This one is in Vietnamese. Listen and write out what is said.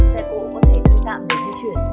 xe bộ có thể thay tạm để thuê chuyển